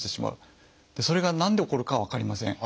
それが何で起こるかは分かりません。